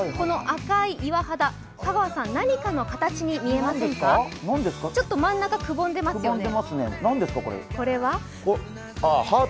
赤い岩肌、香川さん何かの形に見えませんか、真ん中くぼんでますね。